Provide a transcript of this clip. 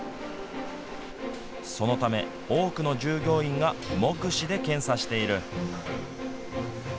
そのため、多くの従業員が目視で検査している。